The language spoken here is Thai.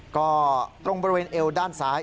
ก็ตรงบริเวณเอวด้านซ้าย